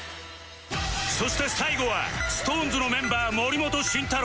そして最後は ＳｉｘＴＯＮＥＳ のメンバー森本慎太郎